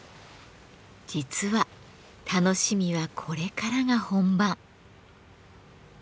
実は楽しみはこれからが本番。